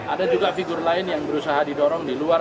ada juga figur lain yang berusaha didorong di luar